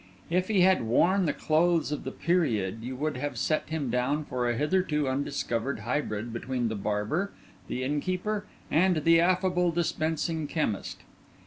If he had worn the clothes of the period you would have set him down for a hitherto undiscovered hybrid between the barber, the innkeeper, and the affable dispensing chemist.